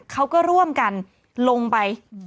เขาก็ร่วมกันลงไป